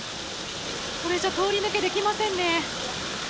これじゃ通り抜けできませんね。